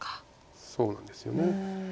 そうなんですよね。